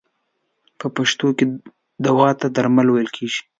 په پښتو کې دوا ته درمل ویل کیږی.